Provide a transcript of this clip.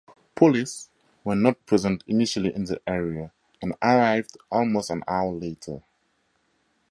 Police were not present initially in the area and arrived almost an hour later.